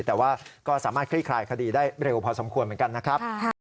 แต่ว่าก็สามารถคลี่คลายคดีได้เร็วพอสมควรเหมือนกันนะครับ